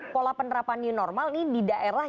pola penerapan new normal ini di daerah